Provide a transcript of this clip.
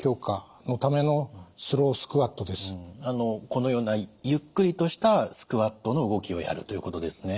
このようなゆっくりとしたスクワットの動きをやるということですね。